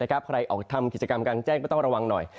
ใครออกทำกิจกรรมกลางแจ้งก็ต้องระวังหน่อย